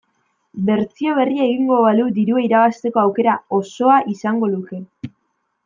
Bertsio berria egingo balu dirua irabazteko aukera osoa izango luke.